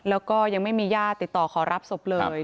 แล้วก็ยังไม่มีญาติติดต่อขอรับศพเลย